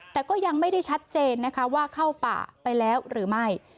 แต่ก็ยังไม่ได้ชัดเจนนะคะว่าเข้าป่าไปแล้วหรือไม่